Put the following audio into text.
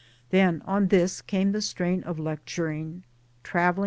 Then on this came the strain of lecturing traveling!